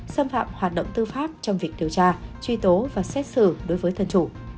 xâm phạm hoạt động tư pháp trong việc điều tra truy tố và xét xử đối với thân chủ